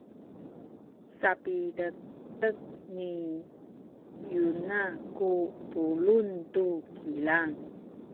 sapiletek ni Yona ku pulung tu kilang.